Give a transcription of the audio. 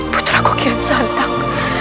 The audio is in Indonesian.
putra kukian santang